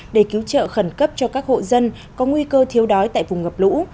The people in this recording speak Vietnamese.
để cứu trợ khẩn cấp cho các hộ dân có nguy cơ thiếu đói tại vùng ngập lũ